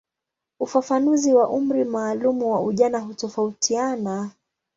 Ufafanuzi wa umri maalumu wa ujana hutofautiana.